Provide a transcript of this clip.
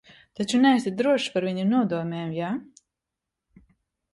Taču neesi drošs par viņu nodomiem, jā?